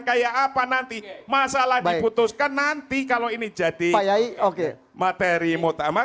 kayak apa nanti masalah diputuskan nanti kalau ini jadi materi muktamar